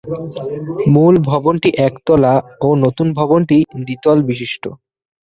মূল ভবনটি একতলা ও নতুন ভবনটি দ্বিতল বিশিষ্ট।